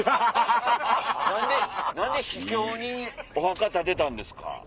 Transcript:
何で秘境にお墓建てたんですか？